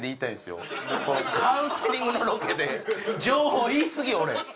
カウンセリングのロケで情報言いすぎ俺。